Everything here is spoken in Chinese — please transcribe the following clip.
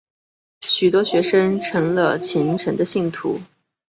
许多学生成了虔诚的信徒。